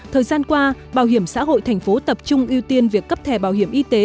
thời gian qua bảo hiểm xã hội thành phố tập trung ưu tiên việc cấp thẻ bảo hiểm y tế